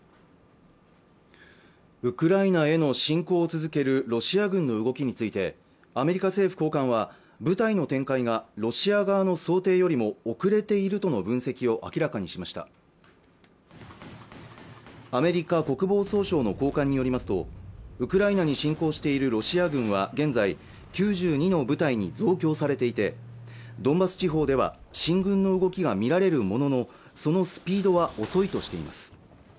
ウクライナへの侵攻を続けるロシア軍の動きについてアメリカ政府高官は部隊の展開がロシア側の想定よりも遅れているとの分析を明らかにしましたアメリカ国防総省の高官によりますとウクライナに侵攻しているロシア軍は現在９２の部隊に増強されていてドンバス地方では進軍の動きが見られるもののそのスピードは遅いとしています